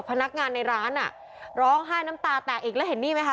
พนักงานในร้านอ่ะร้องไห้น้ำตาแตกอีกแล้วเห็นนี่ไหมคะ